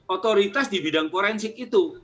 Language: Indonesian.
otoritas di bidang forensik itu